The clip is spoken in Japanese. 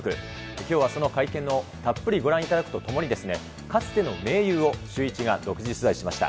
きょうはその会見をたっぷりご覧いただくとともに、かつての盟友をシューイチが独自取材しました。